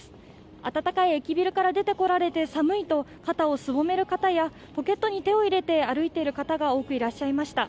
暖かい駅ビルから出てこられて寒いと肩をすぼめる方やポケットに手を入れて歩いている方が多く見られました。